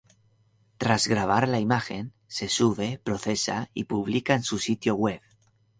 Tras grabar la imagen, se sube, procesa y publica en su sitio web.